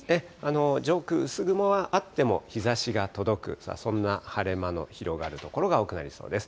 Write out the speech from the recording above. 上空、薄雲はあっても日ざしが届く、そんな晴れ間の広がる所が多くなりそうです。